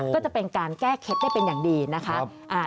ก็จะเป็นการแก้เคล็ดได้เป็นอย่างดีนะคะ